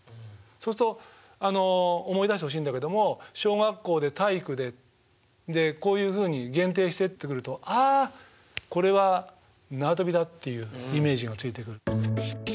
そうすると思い出してほしいんだけども「小学校で体育で」でこういうふうに限定してってくると「ああこれはなわとびだ」っていうイメージがついてくる。